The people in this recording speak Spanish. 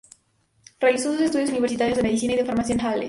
Realizó sus estudios universitarios de Medicina y de Farmacia en Halle.